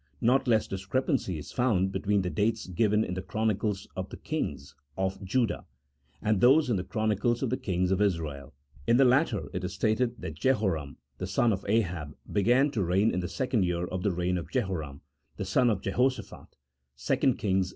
Not less discrepancy is found between the dates given in the Chronicles of the Kings of Judah, and those in the Chronicles of the Kings of Israel ; in the latter, it is stated that Jehoram, the son of Aliab, began to reign in the second year of the reign of Jehoram, the son of Jehoshaphat (2 Kings i.